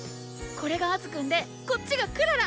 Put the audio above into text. これがアズくんでこっちがクララ！